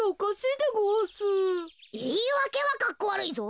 いいわけはかっこわるいぞ。